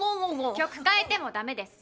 曲変えてもダメです。